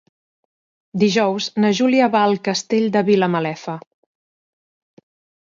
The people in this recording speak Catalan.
Dijous na Júlia va al Castell de Vilamalefa.